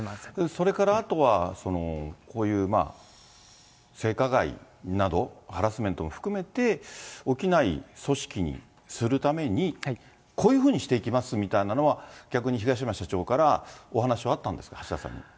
それからあとは、こういうまあ、性加害など、ハラスメントも含めて、起きない組織にするために、こういうふうにしていきますみたいなものは、逆に東山社長からお話はあったんですか、橋田さんに。